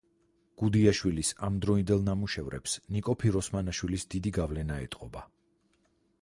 გუდიაშვილის ამ დროინდელ ნამუშევრებს ნიკო ფიროსმანაშვილის დიდი გავლენა ეტყობა.